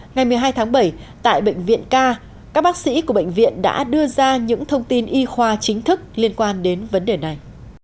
ngày một mươi hai tháng bảy tại bệnh viện k các bác sĩ của bệnh viện đã đưa ra những thông tin y khoa chính thức liên quan đến vấn đề này